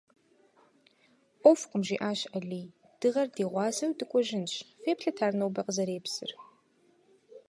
«Ӏуэхукъым,— жиӀащ Алий,— дыгъэр ди гъуазэу дыкӀуэжынщ; феплъыт ар нобэ къызэрепсыр».